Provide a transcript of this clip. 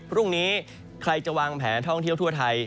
พรุ่งนี้ใครจะวางแผนท่องเที่ยวทั่วไทย